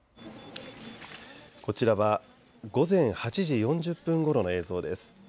こちらは午前８時４０分ごろの映像です。